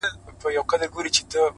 وي د غم اوږدې كوڅې په خامـوشۍ كي؛